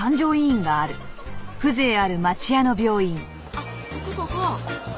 あっここここ！